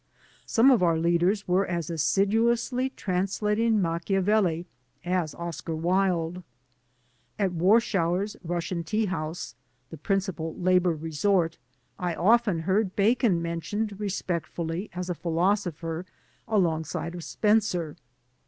Some of our leaders were as assiduously translating Machiavelli as Oscar Wilde. At Warschauer's Russian tea house — the principal labor resort — I often heard Bacon mentioned respect fully as a philosopher alongside of Spencer.